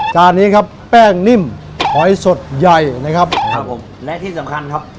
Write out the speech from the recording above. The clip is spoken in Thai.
จานนี้ครับแป้งนิ่มหอยสดใหญ่นะครับครับผมและที่สำคัญครับ